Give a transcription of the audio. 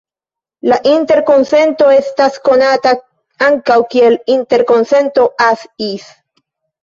La interkonsento estas konata ankaŭ kiel interkonsento "As-Is".